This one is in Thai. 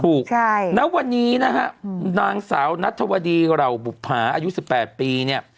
ถูกณวันนี้นะครับนางสาวณฑวดีเหล่าบุภาอายุ๑๘ปี